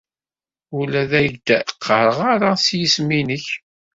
Ur la ak-d-ɣɣareɣ ara s yisem-nnek.